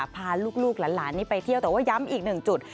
พาลูกหลานนี้ไปเที่ยวแต่ว่าย้ำอีกหนึ่งจุด